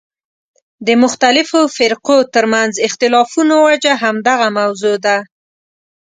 د مختلفو فرقو ترمنځ اختلافونو وجه همدغه موضوع ده.